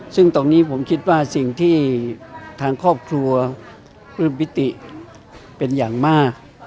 ซึ่งตอนนี้ผมคิดว่าสิ่งที่ทางครอบครัวปลื้มปิติเป็นอย่างมาก